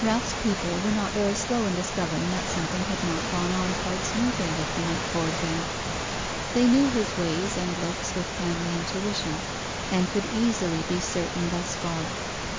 Ralph's people were not very slow in discovering that something had not gone on quite smoothly with him at Ford Bank. They knew his ways and looks with family intuition, and could easily be certain thus far.